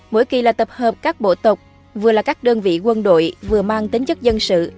mỗi kỳ là tập hợp các bộ tộc vừa là các đơn vị quân đội vừa mang tính chất dân sự